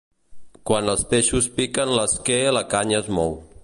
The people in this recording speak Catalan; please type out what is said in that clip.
Quan els peixos piquen l'esquer la canya es mou.